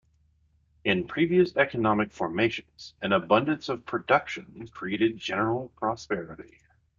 In previous economic formations, an abundance of production created general prosperity.